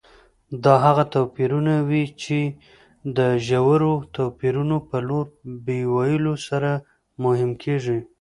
دا هغه توپیرونه وي چې د ژورو توپیرونو په لور بیولو سره مهم کېږي.